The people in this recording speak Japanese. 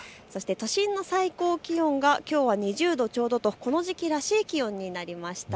都心の最高気温はきょうは２０度ちょうどとこの時期らしい気温になりました。